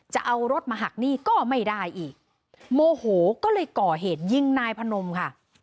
จะเอารถมาหักหนี้ก็ไม่ได้อีกโมโหก็เลยก่อเหตุยิงนายพนมค่ะ